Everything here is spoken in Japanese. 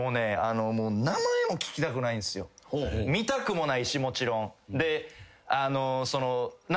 見たくもないしもちろん。